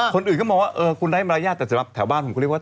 คนอื่นก็มองว่าคุณได้มารยาทแต่สำหรับแถวบ้านผมก็เรียกว่า